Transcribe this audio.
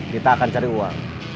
kita akan cari uang